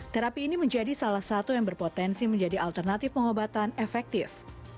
terapi ini menjadi salah satu yang berpotensi menjadi alternatif pengobatan efektif